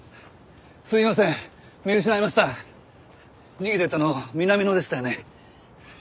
逃げていったの南野でしたよね。